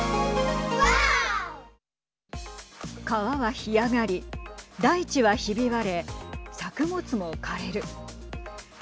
川は干上がり大地はひび割れ作物も枯れる。